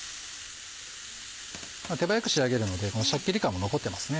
手早く仕上げるのでシャッキリ感も残ってますね。